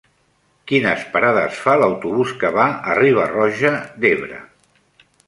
Quines parades fa l'autobús que va a Riba-roja d'Ebre?